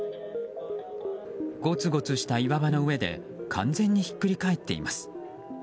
ゴツゴツとした岩場の上で完全にひっくり返っています。